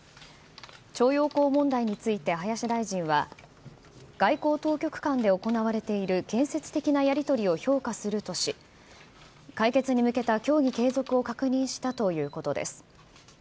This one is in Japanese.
徴用工問題について林大臣は外交当局間で行われている建設的なやり取りを評価するとし、解決に向けた協議継続を確認したということです。